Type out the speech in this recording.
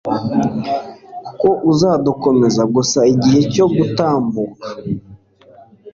kuko uzadukomeza gusa igihe cyo gutambuka